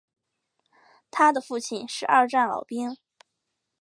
他的父亲是二战老兵。